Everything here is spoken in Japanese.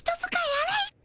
あらいっピ。